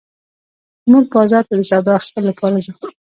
موږ بازار ته د سودا اخيستلو لپاره ځو